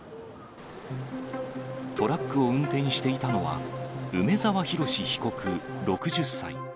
トラックを運転していたのは、梅沢洋被告６０歳。